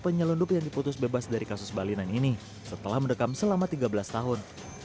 penyelundup yang diputus bebas dari kasus balinan ini setelah mendekam selama tiga belas tahun